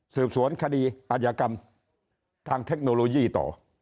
สืบสวนคดีอาจยากรรมทางเทคโนโลยีต่อ